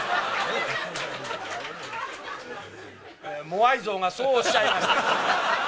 モアイ像がそうおっしゃいました。